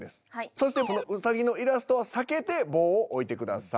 そしてそのウサギのイラストは避けて棒を置いてください。